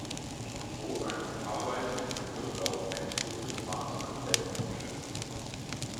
Zu so einer Fahrweise gehört auch ein gesundes Maß an Selbstüberschätzung.